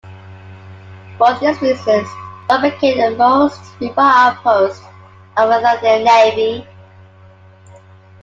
For these reasons, Dor became the most remote outpost of the Athenian navy.